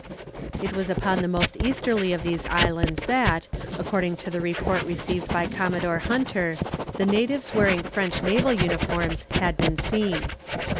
It was upon the most easterly of these islands that, according to the report received by Commodore Hunter, the natives wearing French naval uniforms had been seen.